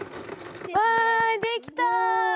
わいできた！